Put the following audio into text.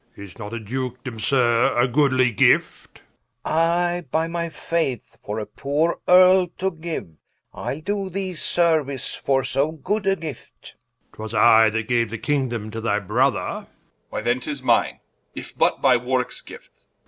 War. Is not a Dukedome, Sir, a goodly gift? Rich. I, by my faith, for a poore Earle to giue, Ile doe thee seruice for so good a gift War. 'Twas I that gaue the Kingdome to thy Brother Edw. Why then 'tis mine, if but by Warwickes gift War.